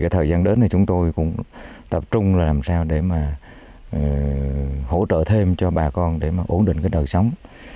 thời gian đến chúng tôi cũng tập trung làm sao để hỗ trợ thêm cho bà con để ổn định đợt sống